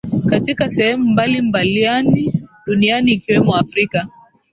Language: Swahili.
katika sehemu mbali mbaliani duniani ikiwemo Afrika